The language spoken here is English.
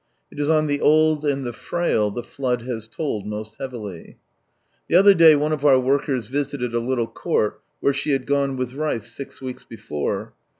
It is on the old and tlie frail the flood has told most heavily. The other day one of our workers visited a little court, where she had gone with rice six weeks before.